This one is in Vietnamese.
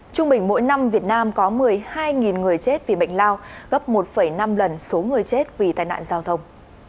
trung bình mỗi năm việt nam có một mươi hai người chết vì bệnh lao gấp một năm lần số người chết vì tai nạn giao thông